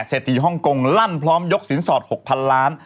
เศรษฐีฮ่องกงลั่นพร้อมยกสินสอด๖๐๐๐ล้าน